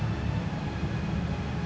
akan baik lagi